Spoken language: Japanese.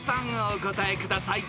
お答えください］